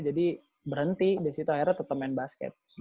jadi berhenti di situ akhirnya tetep main basket